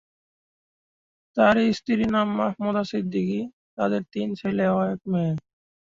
তার স্ত্রীর নাম মাহমুদা সিদ্দিকী; তাদের তিন ছেলে ও এক মেয়ে।